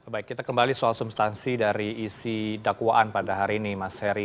baik kita kembali soal substansi dari isi dakwaan pada hari ini mas heri